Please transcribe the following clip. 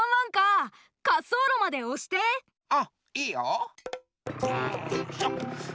うんいいよ！